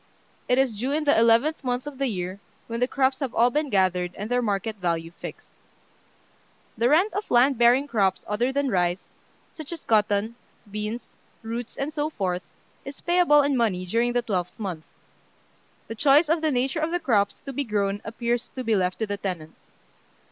It is due in the eleventh month of the year, when the crops have all been gathered, and their market value fixed. The rent of land bearing crops other than rice, such as cotton, beans, roots, and so forth, is payable in money during the twelfth month. The choice of the nature of the crops to be grown appears to be left to the tenant.